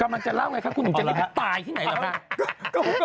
กำลังจะเล่าไงครับคุณมึงจะได้ไปตายที่ไหนหรือครับ